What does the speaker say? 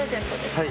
はい。